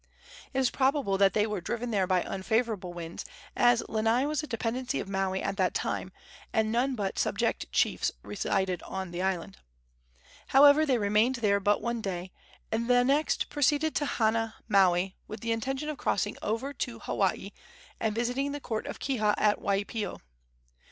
It is probable that they were driven there by unfavorable winds, as Lanai was a dependency of Maui at that time, and none but subject chiefs resided on the island. However, they remained there but one day, and the next proceeded to Hana, Maui, with the intention of crossing over to Hawaii and visiting the court of Kiha at Waipio.